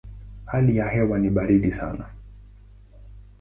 Hali ya hewa ni baridi sana.